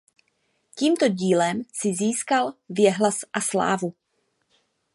Tímto dílem si získal věhlas a slávu.